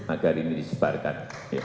agar ini disebarkan